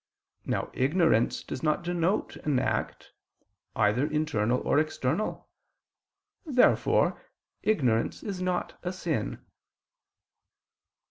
Now ignorance does not denote an act, either internal or external. Therefore ignorance is not a sin.